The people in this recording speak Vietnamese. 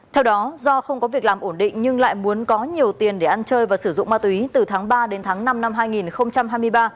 theo đó do không có việc làm ổn định nhưng lại muốn có nhiều tiền để ăn chơi và sử dụng ma túy từ tháng ba đến tháng năm năm hai nghìn hai mươi ba